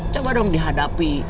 coba dong dihadapi